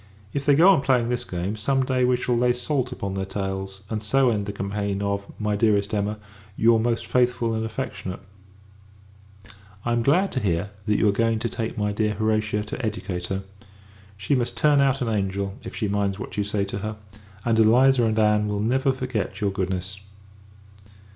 If they go on playing this game, some day we shall lay salt upon their tails; and so end the campaign of, my dearest Emma, your most faithful and affectionate I am glad to hear that you are going to take my dear Horatia, to educate her. She must turn out an angel, if she minds what you say to her; and Eliza and Ann will never forget your goodness.